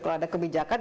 kalau ada kebijakan